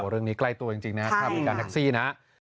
เรื่องนี้ใกล้ตัวจริงนะครับถ้ามีการแท็กซี่นะ